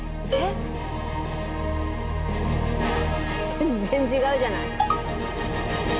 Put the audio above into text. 全然違うじゃない。